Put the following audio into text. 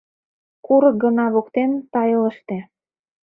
Курык гына воктен тайылыште